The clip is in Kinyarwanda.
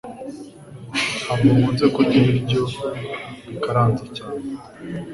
Ntabwo nkunze kurya ibiryo bikaranze cyane